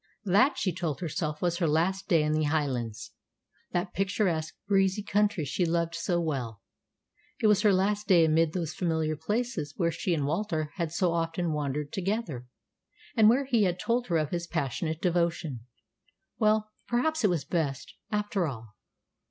That, she told herself, was her last day in the Highlands, that picturesque, breezy country she loved so well. It was her last day amid those familiar places where she and Walter had so often wandered together, and where he had told her of his passionate devotion. Well, perhaps it was best, after all.